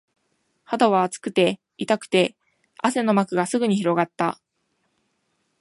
肌は熱くて、痛くて、汗の膜がすぐに広がった